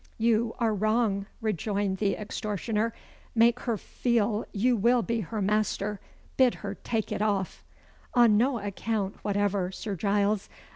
"You are wrong," rejoined the extortioner. "Make her feel you will be her master. Bid her take it off." "On no account whatever, Sir Giles.